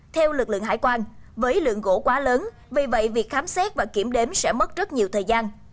theo lực lượng hải quan với lượng gỗ quá lớn vì vậy việc khám xét và kiểm đếm sẽ mất rất nhiều thời gian